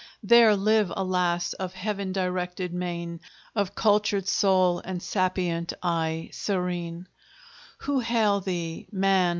There live, alas! of heaven directed mien, Of cultured soul, and sapient eye serene, Who hail thee, Man!